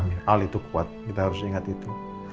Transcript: amin al itu kuat kita harus ingat itu